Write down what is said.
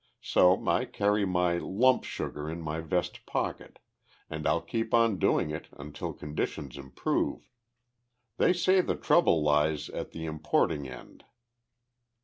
So I carry my 'lump sugar' in my vest pocket, and I'll keep on doing it until conditions improve. They say the trouble lies at the importing end.